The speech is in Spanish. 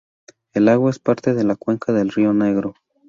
El lago es parte de la cuenca del río Negro.